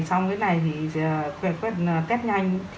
xong cái này thì kết nhanh